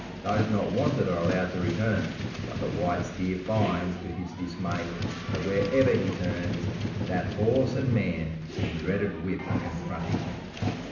Those not wanted are allowed to return, but the white steer finds, to his dismay, that wherever he turns that horse and man and dreaded whip are confronting him.